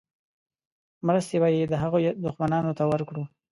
مرستې به یې د هغه دښمنانو ته ورکړو.